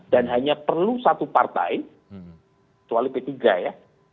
dan hanya perlu satu partai kecuali p tiga ya